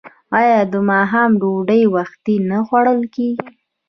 آیا د ماښام ډوډۍ وختي نه خوړل کیږي؟